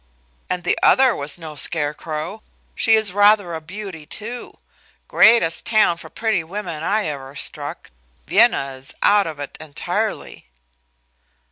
And the other was no scarecrow. She is rather a beauty, too. Greatest town for pretty women I ever struck. Vienna is out of it entirely."